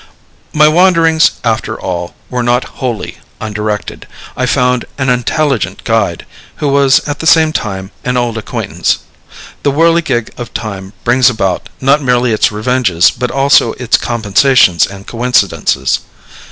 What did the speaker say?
My wanderings, after all, were not wholly undirected. I found an intelligent guide, who was at the same time an old acquaintance. The whirligig of time brings about, not merely its revenges, but also its compensations and coincidences.